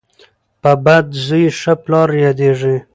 په بد زوی ښه پلار یادیږي.